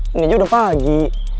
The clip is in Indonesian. ini aja udah pagi